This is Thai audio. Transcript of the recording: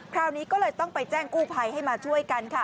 คราวนี้ก็เลยต้องไปแจ้งกู้ภัยให้มาช่วยกันค่ะ